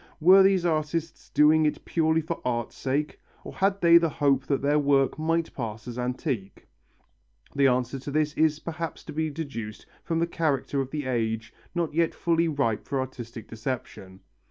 Were these artists doing it purely for art's sake, or had they the hope that their work might pass as antique? The answer to this is perhaps to be deduced from the character of the age not yet fully ripe for artistic deception.